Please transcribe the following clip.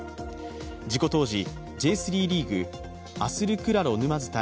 事故当時、Ｊ３リーグアスルクラロ沼津対